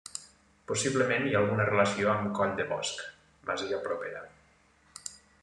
Possiblement hi ha alguna relació amb coll de Bosch, masia propera.